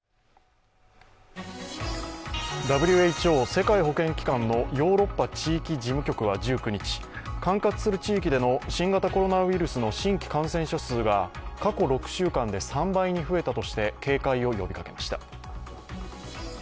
ＷＨＯ＝世界保健機関のヨーロッパ地域事務局は１９日、管轄する地域での新型コロナウイルスの新規感染者数が過去６週間で３倍に増えたとして警戒を呼びかけました。